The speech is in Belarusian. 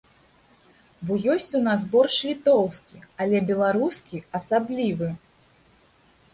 Бо ёсць ў нас боршч літоўскі, але беларускі асаблівы!